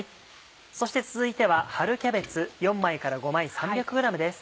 そして続いては春キャベツ４枚から５枚３００ｇです。